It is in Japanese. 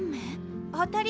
当たり！